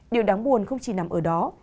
điều đáng buồn không chỉ nằm ở đó